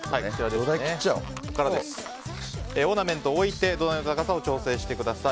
オーナメントを置いて土台の高さを調整してください。